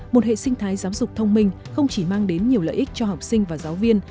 một hệ sinh thái giáo dục thông minh không chỉ mang đến nhiều lợi ích cho học sinh và giáo viên